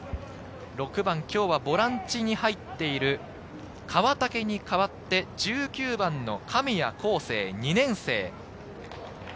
６番、今日はボランチに入っている川竹に代わって、１９番の神谷昂成２年生。